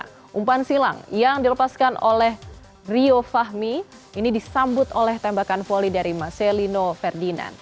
nah umpan silang yang dilepaskan oleh rio fahmi disambut oleh tembakan volley dari marcelino ferdinand